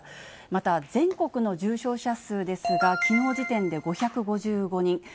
また全国の重症者数ですが、きのう時点で５５５人。